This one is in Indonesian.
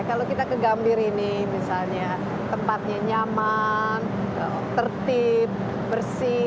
kalau kita ke gambir ini misalnya tempatnya nyaman tertib bersih